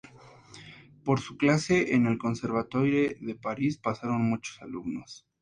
Por su clase en el Conservatoire de Paris pasaron muchos alumnos.